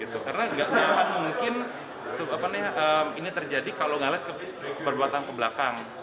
karena tidak nyaman mungkin ini terjadi kalau ngalas perbuatan ke belakang